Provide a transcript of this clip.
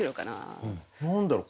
何だろう？